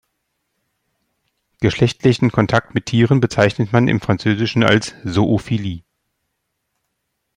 Geschlechtlichen Kontakt mit Tieren bezeichnet man im Französischen als "zoophilie".